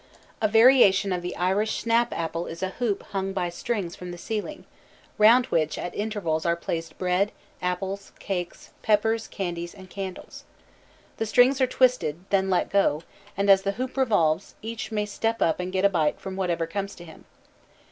A variation of the Irish snap apple is a hoop hung by strings from the ceiling, round which at intervals are placed bread, apples, cakes, peppers, candies, and candles. The strings are twisted, then let go, and as the hoop revolves, each may step up and get a bite from whatever comes to him.